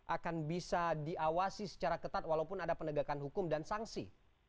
akan bisa diawasi secara ketat walaupun ada penegakan hukum dan sanksi